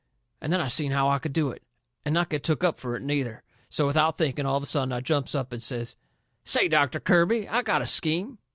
And then I seen how I could do it, and not get took up fur it, neither. So, without thinking, all of a sudden I jumps up and says: "Say, Doctor Kirby, I got a scheme!"